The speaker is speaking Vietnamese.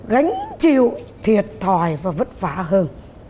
gánh chịu thiệt thòi và vất vả hơn